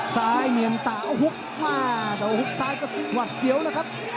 สายเหมียงตาเอาฮุกมาแต่เอาฮุกสายก็สวัสดิ์เสียวนะครับ